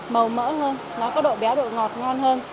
màu mỡ hơn nó có độ bé độ ngọt ngon hơn